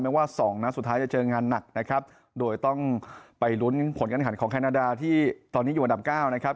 ว่าสองนัดสุดท้ายจะเจองานหนักนะครับโดยต้องไปลุ้นผลการขันของแคนาดาที่ตอนนี้อยู่อันดับเก้านะครับ